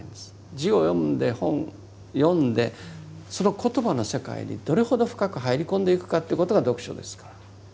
字を読んで本読んでその言葉の世界にどれほど深く入り込んでいくかということが読書ですから。